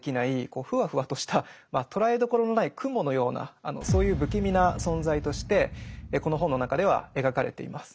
こうふわふわとした捉えどころのない雲のようなそういう不気味な存在としてこの本の中では描かれています。